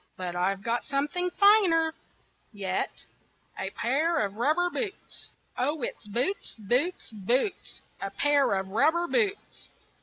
But I've got something finer yet A pair of rubber boots. Oh, it's boots, boots, boots, A pair of rubber boots!